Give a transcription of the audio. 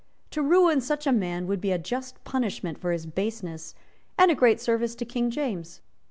To ruin such a man would be a just punishment for his baseness, and a great service to King James.